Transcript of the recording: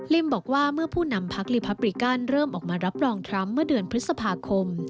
บอกว่าเมื่อผู้นำพักลีพับริกันเริ่มออกมารับรองทรัมป์เมื่อเดือนพฤษภาคม